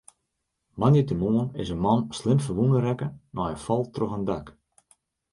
Moandeitemoarn is in man slim ferwûne rekke nei in fal troch in dak.